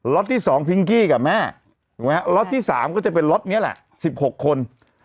ล็อตที่๒พิงกี้กับแม่ล็อตที่๓ก็จะเป็นล็อตนี้ล่ะ๑๖คน